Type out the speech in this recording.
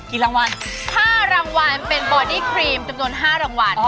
กี่รางวัล๕รางวัลเป็นบอดี้ครีมจำนวน๕รางวัล